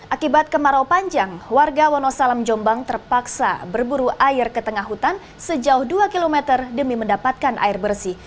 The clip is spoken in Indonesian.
akibat kemarau panjang warga wonosalam jombang terpaksa berburu air ke tengah hutan sejauh dua km demi mendapatkan air bersih